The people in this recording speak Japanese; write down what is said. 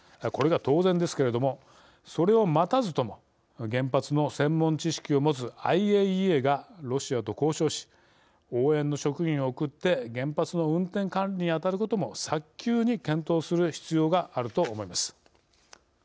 これが当然ですけれどもそれを待たずとも原発の専門知識を持つＩＡＥＡがロシアと交渉し応援の職員を送って原発の運転管理に当たることも早急に検討する必要があると思います。